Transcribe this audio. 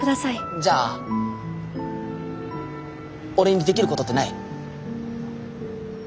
じゃあ俺にできることってない？